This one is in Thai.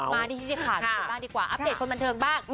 มาที่ข่าวนี้กันบ้างดีกว่าอัปเดตคนบันเทิงบ้าง